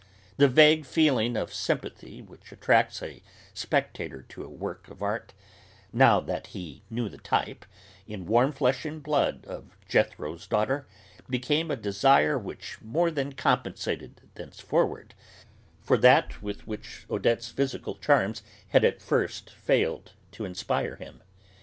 The vague feeling of sympathy which attracts a spectator to a work of art, now that he knew the type, in warm flesh and blood, of Jethro's Daughter, became a desire which more than compensated, thenceforward, for that with which Odette's physical charms had at first failed to inspire him.